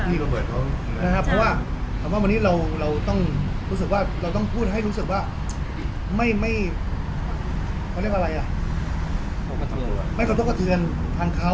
เพราะว่าวันนี้เราต้องพูดให้รู้สึกว่าไม่กระเทือนทางเขา